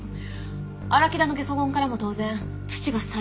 荒木田のゲソ痕からも当然土が採取されてるわね？